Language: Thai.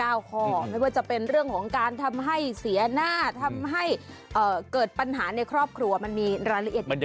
ข้อไม่ว่าจะเป็นเรื่องของการทำให้เสียหน้าทำให้เกิดปัญหาในครอบครัวมันมีรายละเอียด